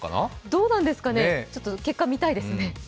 どうなんですかね、ちょっと結果見たいですね。